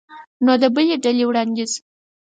نو د بلې ډلې وړاندیز